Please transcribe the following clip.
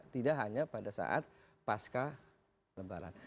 tidak hanya pada saat pasca lebaran